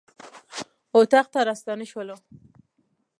اطاق ته راستانه شولو.